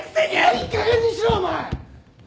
いいかげんにしろお前！